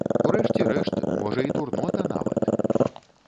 У рэшце рэшт, можа і дурнота нават!